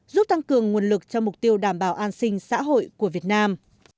giúp tăng cường nguồn lực cho mục tiêu đảm bảo an sinh xã hội của việt nam